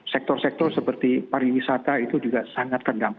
sektor sektor seperti pariwisata itu juga sangat terdampak